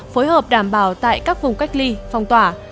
phối hợp đảm bảo tại các vùng cách ly phong tỏa